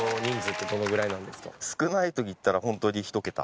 少ない時いったらホントに。